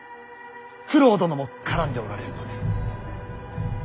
九郎殿も絡んでおられるのです。